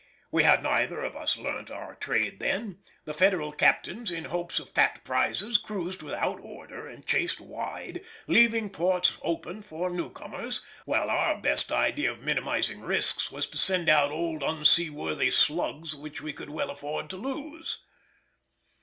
We had neither of us learnt our trade then; the Federal captains, in hopes of fat prizes, cruised without order and chased wide, leaving ports open for new comers, while our best idea of minimising risks was to send out old unseaworthy slugs which we could well afford to lose.